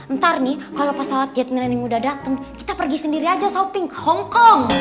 ntar nih kalo pasal jet nenek udah dateng kita pergi sendiri aja shopping hongkong